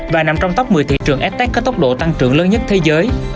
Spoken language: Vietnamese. và nằm trong tốc một mươi thị trường s tech có tốc độ tăng trưởng lớn nhất thế giới